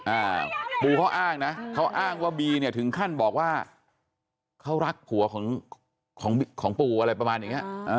อ่าปูเขาอ้างนะเขาอ้างว่าบีเนี่ยถึงขั้นบอกว่าเขารักผัวของของปู่อะไรประมาณอย่างเงี้